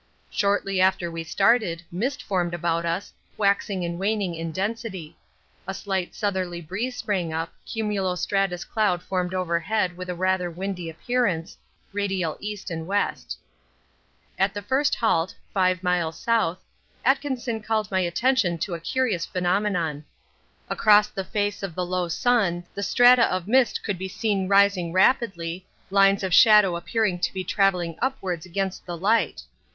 Shortly after we started mist formed about us, waxing and waning in density; a slight southerly breeze sprang up, cumulo stratus cloud formed overhead with a rather windy appearance (radial E. and W.). At the first halt (5 miles S.) Atkinson called my attention to a curious phenomenon. Across the face of the low sun the strata of mist could be seen rising rapidly, lines of shadow appearing to be travelling upwards against the light.